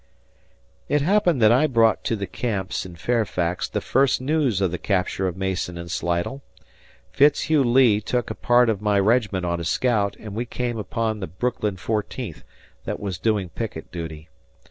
It happened that I brought to the camps in Fairfax the first news of the capture of Mason and Slidell. Fitzhugh Lee took a part of my regiment on a scout and we came upon the Brooklyn 14th that was doing picket duty.